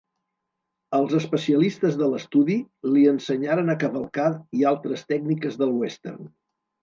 Els especialistes de l'estudi li ensenyaren a cavalcar i altres tècniques del western.